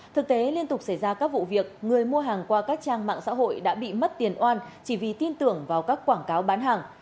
thực tế liên tục xảy ra các vụ việc người mua hàng qua các trang mạng xã hội đã bị mất tiền oan chỉ vì tin tưởng vào các quảng cáo bán hàng